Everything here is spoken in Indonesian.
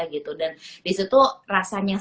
gitu dan disitu rasanya